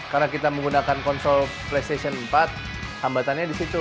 karena kita menggunakan konsol ps empat hambatannya di situ